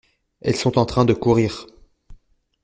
Elles sont en train de courir.